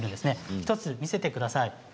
１つ見せてください。